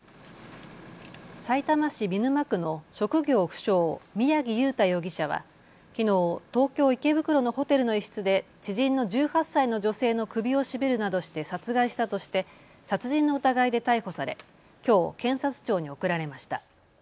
さいたま市見沼区の職業不詳、宮城祐太容疑者はきのう東京池袋のホテルの一室で知人の１８歳の女性の首を絞めるなどして殺害したとして殺人の疑いで逮捕されきょう検察庁に送られました。